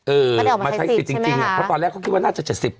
เออมาใช้สิทธิ์จริงเพราะตอนแรกเขาคิดว่าน่าจะ๗๐